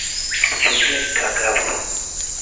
Fidele Kagabo